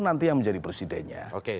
nanti yang menjadi presidennya